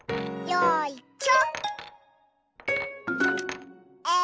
よいしょ。